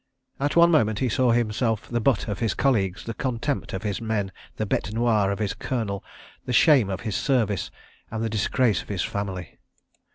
At one moment he saw himself the butt of his colleagues, the contempt of his men, the bête noir of his Colonel, the shame of his Service, and the disgrace of his family.